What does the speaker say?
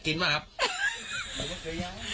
ให้มะเขือยาว